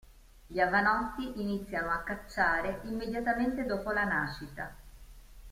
Gli avannotti iniziano a cacciare immediatamente dopo la nascita.